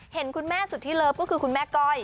เห็นคุณแม่สุดที่เลิฟก็คือคุณแม่ก้อย